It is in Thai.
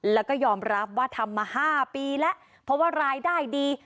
แล้วก็ยอมรับว่าทำมา๕ปีแล้วเพราะว่ารายได้ดี